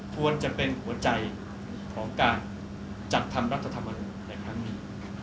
ควรจะเป็นหัวใจของการจัดทำรัฐธรรมนูลในครั้งนี้